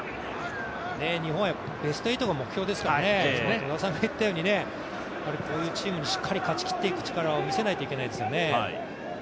日本はベスト８が目標ですからこういうチームにしっかり勝ちきっていく力を見せないといけないですよね。